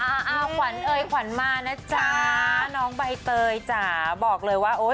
อ่าอ่าขวัญเอยขวัญมานะจ๊ะน้องใบเตยจ๋าบอกเลยว่าโอ้ย